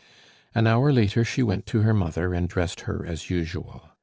An hour later she went to her mother and dressed her as usual.